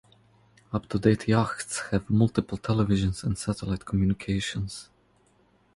Up-to-date yachts have multiple televisions and satellite communications.